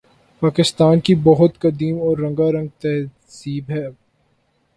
پاکستان کی بہت قدیم اور رنگارنگ تہذیب ہے